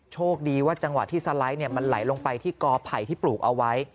โชคดีว่าจังหวะที่สไลด์มันไหลลงไปที่กอไผ่ที่ปลูกเอาไว้